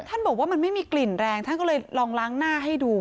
ท่านบอกว่ามันไม่มีกลิ่นแรงท่านก็เลยลองล้างหน้าให้ดู